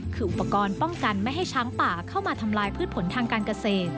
คืออุปกรณ์ป้องกันไม่ให้ช้างป่าเข้ามาทำลายพืชผลทางการเกษตร